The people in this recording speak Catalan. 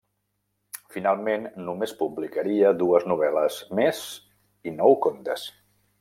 Finalment només publicaria dues novel·les més i nou contes.